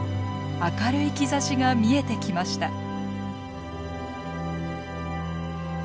明るい兆しが見えてきました。